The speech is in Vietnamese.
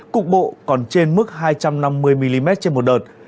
cục bộ còn trên mức hai trăm năm mươi mm trên một đợt